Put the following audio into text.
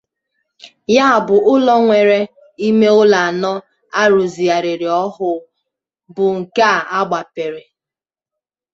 Ya bụ ụlọ nwéré ime ụlọ anọ a rụzigharịrị ọhụụ bụ nke a gbàpèrè